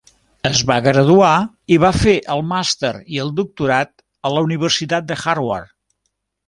Es va graduar i va fer el màster i el doctorat a la Universitat de Harvard.